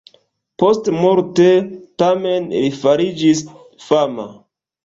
Postmorte, tamen, li fariĝis fama.